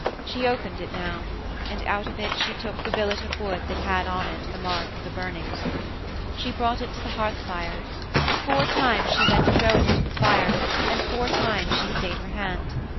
She opened it now, and out of it she took the billet of wood that had on it the mark of the burning. She brought it to the hearth fire. Four times she went to throw it into the fire, and four times she stayed her hand.